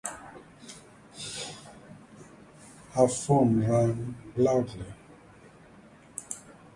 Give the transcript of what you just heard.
Before the war Mr. Peters was aligned with the Whig party.